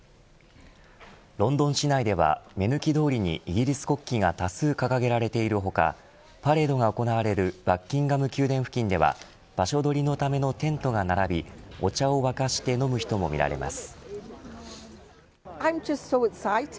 ロンドン市内では目抜き通りにイギリス国旗が多数掲げられている他パレードが行われるバッキンガム宮殿付近では場所取りのためのテントが並びお茶を沸かして飲む人も見られます。